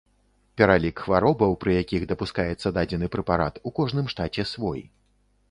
Пералік хваробаў, пры якіх дапускаецца дадзены прэпарат, у кожным штаце свой.